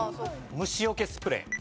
虫よけスプレー。